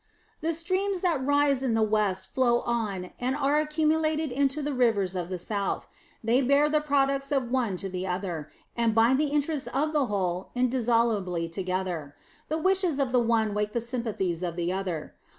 The streams that rise in the West flow on and are accumulated into the rivers of the South; they bear the products of one to the other, and bind the interests of the whole indissolubly together. The wishes of the one wake the sympathies of the other.